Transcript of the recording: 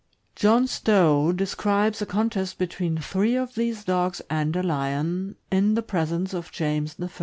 John Stow describes a contest between three of these dogs and a lion, in the presence of James I.